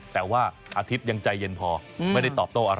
แต่ว่าอาทิตย์ยังใจเย็นพอไม่ได้ตอบโต้อะไร